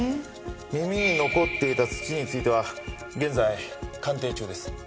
耳に残っていた土については現在鑑定中です。